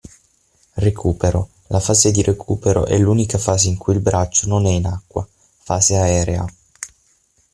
Recupero: La fase di recupero è l'unica fase in cui il braccio non è in acqua (fase aerea).